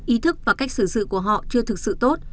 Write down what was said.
ý thức và cách xử sự của họ chưa thực sự tốt